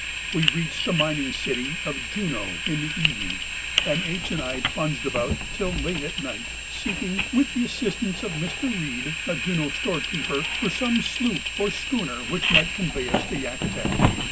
We reached the mining city (!) of Juneau in the evening, and H. and I plunged about till late at night, seeking, with the assistance of Mr. Reed, a Juneau store keeper, for some sloop or schooner which might convey us up to Yakutat.